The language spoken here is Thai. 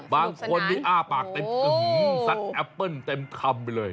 บางคนนี้อ้าปากเต็มซัดแอปเปิ้ลเต็มคำไปเลย